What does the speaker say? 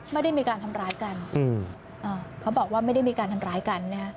ไม่ได้มีการทำร้ายกันเขาบอกว่าไม่ได้มีการทำร้ายกันนะฮะ